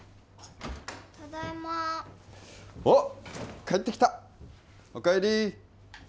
ただいまおっ帰ってきたお帰り